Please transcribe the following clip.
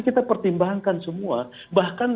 kita pertimbangkan semua bahkan